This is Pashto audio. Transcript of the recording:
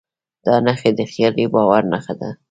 دا نښې د خیالي باور نښه ده.